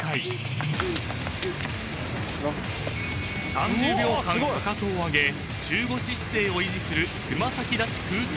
［３０秒間かかとを上げ中腰姿勢を維持する］